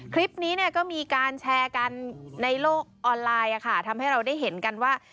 คลิปนี้ก็มีการแชร์กันในโลกออนไลน์ทำให้เราได้เห็นกันว่า